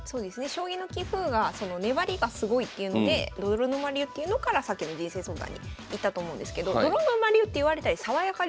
将棋の棋風が粘りがすごいっていうので泥沼流っていうのからさっきの人生相談にいったと思うんですけど泥沼流っていわれたり爽やか流っていわれてたりしたんですよ。